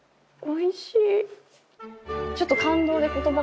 おいしい！